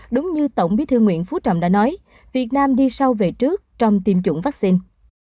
đúng như tổng bí thư nguyễn phú trọng đã nói việt nam đi sau về trước trong tiêm chủng vaccine